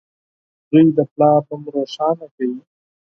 • زوی د پلار نوم روښانه کوي.